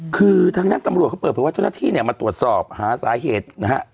คือทางด้านตำรวจเขาเปิดเผยว่าเจ้าหน้าที่เนี่ยมาตรวจสอบหาสาเหตุนะฮะ